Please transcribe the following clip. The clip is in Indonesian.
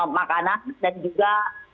makanan dan juga